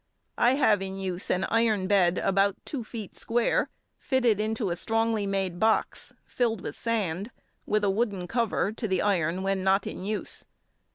I have in use an iron bed about two feet square, fitted into a strongly made box, filled with sand, with a wooden cover to the iron when not in use.